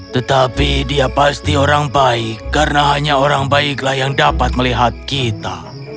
tetapi dia pasti orang baik karena hanya orang baiklah yang dapat melihat kita